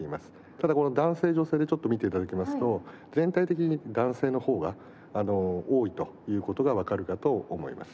ただこの男性女性でちょっと見て頂きますと全体的に男性の方が多いという事がわかるかと思います。